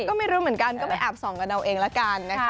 ก็ไม่รู้เหมือนกันก็ไปอาบสองเองละการนะคะ